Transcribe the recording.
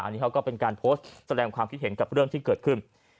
อันนี้เขาก็เป็นการโพสต์แสดงความคิดเห็นกับเรื่องที่เกิดขึ้น